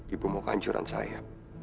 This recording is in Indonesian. ibu mau kehancuran saya